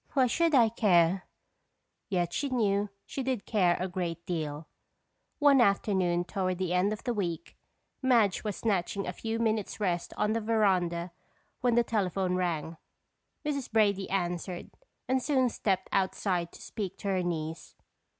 "Why should I care?" Yet she knew she did care a great deal. One afternoon toward the end of the week, Madge was snatching a few minutes rest on the veranda when the telephone rang. Mrs. Brady answered, and soon stepped outside to speak to her niece.